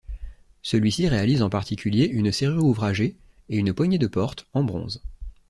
Celui-ci réalise en particulier une serrure ouvragée et une poignée de porte, en bronze.